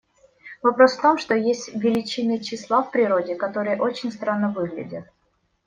Вопрос в том, что есть величины, числа в природе, которые очень странно выглядят.